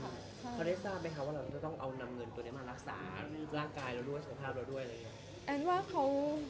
เขาได้ทราบไหมคะว่าเราจะต้องเอานำเงินตัวนี้มารักษาร่างกายเรารู้ว่าสภาพเราด้วยอะไรอย่างนี้